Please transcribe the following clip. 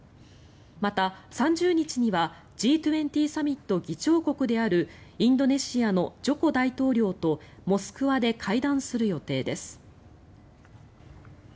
また、３０日にはＧ２０サミット議長国であるインドネシアのジョコ大統領とモスクワで会談する予定です。